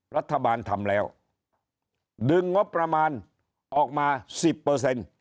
รัฐบาลทำแล้วดึงงบประมาณออกมาสิบเปอร์เซ็นต์